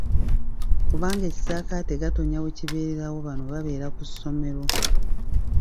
Kubanga Ekisaakaate Gatonnya we kibeererawo bano babeera ku ssomero.